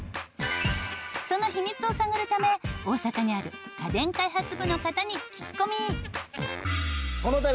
その秘密を探るため大阪にある家電開発部の方に聞き込み。